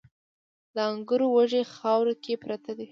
د انګورو وږي خاورو کې پراته دي